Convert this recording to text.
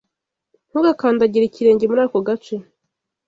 Ntugakandagire ikirenge muri ako gace.